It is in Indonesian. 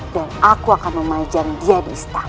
dan aku akan memanjang dia di istana